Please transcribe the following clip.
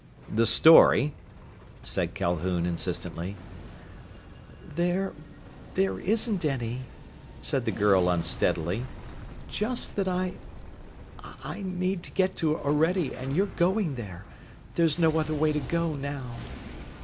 "The story?" said Calhoun insistently. "There there isn't any," said the girl unsteadily. "Just that I I need to get to Orede, and you're going there. There's no other way to go, now."